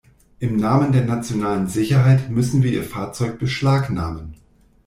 Im Namen der nationalen Sicherheit müssen wir Ihr Fahrzeug beschlagnahmen!